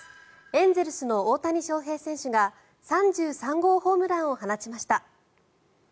エンゼルスの大谷翔平選手が３３号ホームランを放ちました。